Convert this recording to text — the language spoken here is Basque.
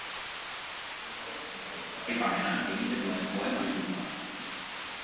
Kristautasunaren goraipamena egiten duen poema-bilduma da.